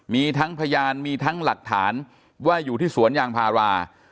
มีทั้งพยานมีทั้งหลักฐานว่าอยู่ที่สวนยางพารา